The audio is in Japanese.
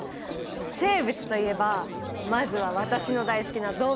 生物といえばまずは私の大好きな動物！